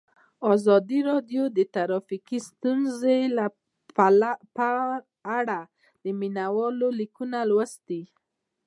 ازادي راډیو د ټرافیکي ستونزې په اړه د مینه والو لیکونه لوستي.